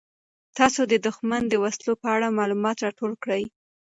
تاسو د دښمن د وسلو په اړه معلومات راټول کړئ.